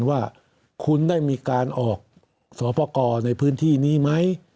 ว่าคุณได้มีการออกสอบประกอบในพื้นที่นี้ไหม